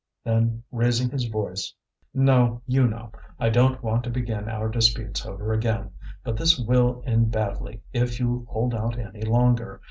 Then raising his voice: "No, you know, I don't want to begin our disputes over again, but this will end badly if you hold out any longer.